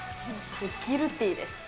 ギルティーです。